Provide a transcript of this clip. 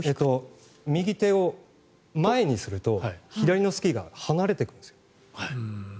右手を前にすると左のスキーが離れていくんです。